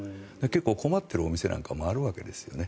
結構困っているお店なんかもあるわけですよね。